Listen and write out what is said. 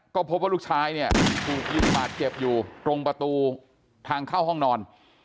ก็พบว่าลูกชายเนี่ยถูกยิงบาดเจ็บอยู่ตรงประตูทางเข้าห้องนอน